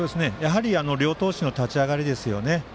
両投手の立ち上がりですね。